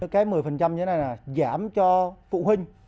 cái một mươi như thế này là giảm cho phụ huynh